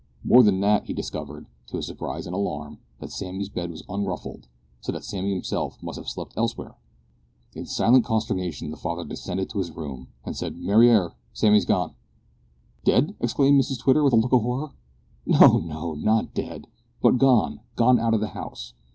More than that, he discovered, to his surprise and alarm, that Sammy's bed was unruffled, so that Sammy himself must have slept elsewhere! In silent consternation the father descended to his bedroom and said, "Mariar, Sammy's gone!" "Dead!" exclaimed Mrs Twitter with a look of horror. "No, no; not dead, but gone gone out of the house.